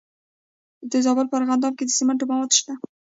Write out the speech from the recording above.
د زابل په ارغنداب کې د سمنټو مواد شته.